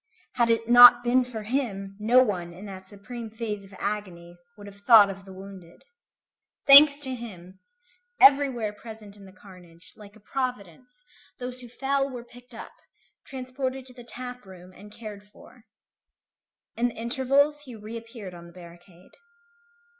Had it not been for him, no one, in that supreme phase of agony, would have thought of the wounded. Thanks to him, everywhere present in the carnage, like a providence, those who fell were picked up, transported to the tap room, and cared for. In the intervals, he reappeared on the barricade.